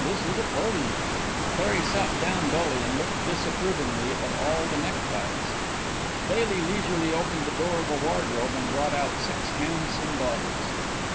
This is a party." Perry sat down dully and looked disapprovingly at all the neckties. Baily leisurely opened the door of a wardrobe and brought out six handsome bottles.